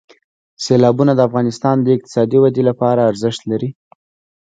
سیلابونه د افغانستان د اقتصادي ودې لپاره ارزښت لري.